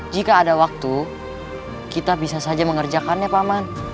jika ada waktu kita bisa saja mengerjakannya paman